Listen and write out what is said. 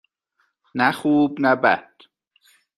نه خوب - نه بد.